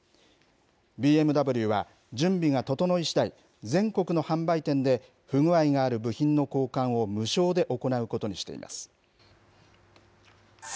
ＢＭＷは準備が整い次第、全国の販売店で不具合がある部品の交換を無償で行うことにしています。